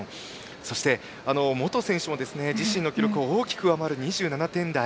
そして本選手も自身の記録を大きく上回る２７点台。